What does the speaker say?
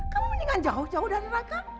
kamu mending jauh jauh dari raka